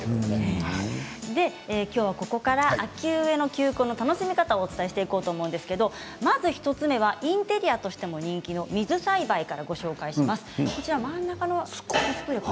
ここから秋植えの球根の楽しみ方をお伝えしていこうと思うんですけどまず１つ目はインテリアとしても人気の水栽培をご紹介します。